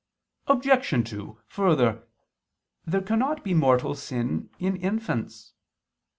Obj. 2: Further, there cannot be mortal sin in infants.